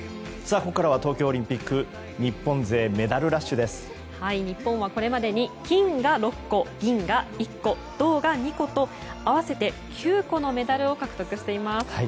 ここからは東京オリンピック日本はこれまでに金が６個銀が１個、銅が２個と合わせて９個のメダルを獲得しています。